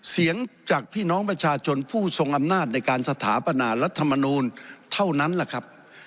เสียงจากพี่น้องประชาชนผู้ทรงอำนาจในการสถาปนารัฐมนูลเท่านั้นแหละครับ